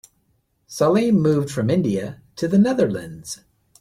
Salim moved from India to the Netherlands.